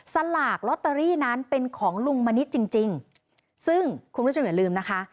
สลากลอตเตอรี่นั้นเป็นของลุงมณิษฐ์จริงจริงซึ่งคุณผู้ชมอย่าลืมนะคะ